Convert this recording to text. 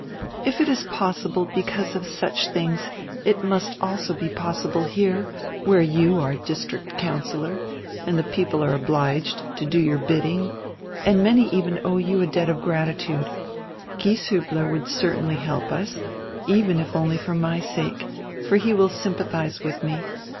"If it is possible because of such tilings it must also be possible here, where you are district councillor and the people are obliged to do your bidding and many even owe you a debt of gratitude. Gieshiibler would certainly help us, even if only for my sake, for he will sympathize with me.